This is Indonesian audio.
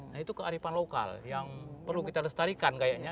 nah itu kearifan lokal yang perlu kita lestarikan kayaknya